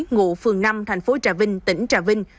ngụ phường năm tp trà vinh